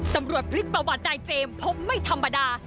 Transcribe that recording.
ตำรวจพลิกประวัตินายเจมส์พบไม่ธรรมดา